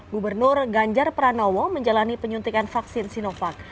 gubernur ganjar pranowo menjalani penyuntikan vaksin sinovac